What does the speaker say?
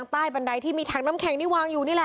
ในช่องด้วยน่ะ